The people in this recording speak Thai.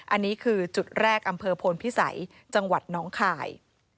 อันนี้คือจุดแรกอำเภอโพนพิสัยจังหวัดน้องคาย